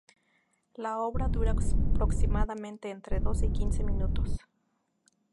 La obra dura aproximadamente entre doce y quince minutos.